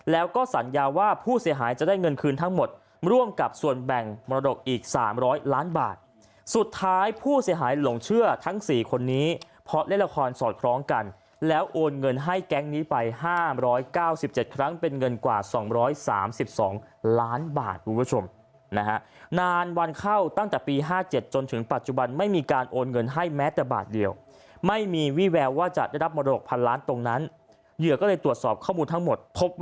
แล้วก็สัญญาว่าผู้เสียหายจะได้เงินคืนทั้งหมดร่วมกับส่วนแบ่งมรดกอีกสามร้อยล้านบาทสุดท้ายผู้เสียหายหลงเชื่อทั้งสี่คนนี้เพราะเล่นละครสอดคล้องกันแล้วโอนเงินให้แก๊งนี้ไปห้ามร้อยเก้าสิบเจ็ดครั้งเป็นเงินกว่าสองร้อยสามสิบสองล้านบาทคุณผู้ชมนะฮะนานวันเข้าตั้งแต่ปีห้าเจ็ดจนถึงป